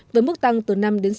với mức tăng từ năm sáu sáu